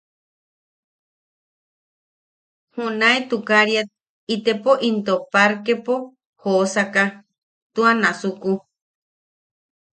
Junae tukariat itepo into parkepo joosaka, tua nasuku.